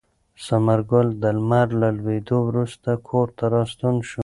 ثمر ګل د لمر له لوېدو وروسته کور ته راستون شو.